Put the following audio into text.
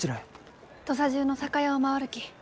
土佐中の酒屋を回るき。